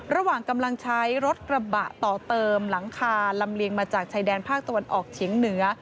ระหว่างกำลังใช้รถกระบะต่อเติมหลังคาลำเลียงมาจากชายแดนภาคตะวันออกเฉียงเหนือ